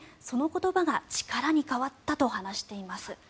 その言葉が力に変わったと話しています。